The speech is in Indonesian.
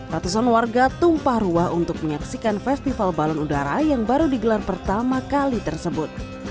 ratusan warga tumpah ruah untuk menyaksikan festival balon udara yang baru digelar pertama kali tersebut